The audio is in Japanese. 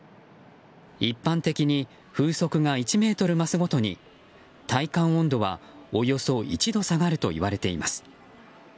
一般的に風速が１メートル増すごとに体感温度はおよそ１度下がるといわれています。